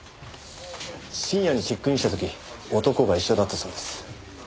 深夜にチェックインした時男が一緒だったそうです。